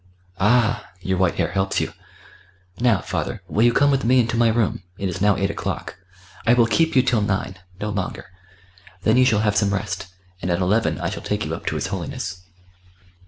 "Ah! your white hair helps you.... Now, father, will you come with me into my room? It is now eight o'clock. I will keep you till nine no longer. Then you shall have some rest, and at eleven I shall take you up to his Holiness."